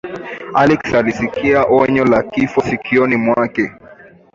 alex alisikia onyo la kifo sikioni mwake